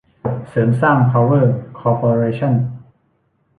เสริมสร้าง พาวเวอร์ คอร์ปอเรชั่น